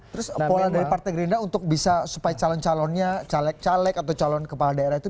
terus pola dari partai gerindra untuk bisa supaya calon calonnya caleg caleg atau calon kepala daerah itu